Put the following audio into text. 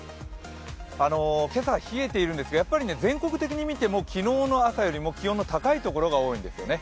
今朝冷えているんですが、全国的に見ても昨日の朝よりも気温の高いところが多いんですよね。